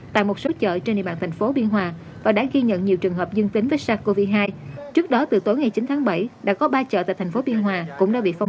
tại một số chợ trên địa bàn thành phố biên hòa và đã ghi nhận nhiều trường hợp dương tính với sars cov hai